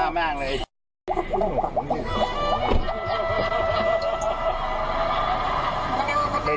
ที่เล่าเรื่องของคุณนี่ก่อน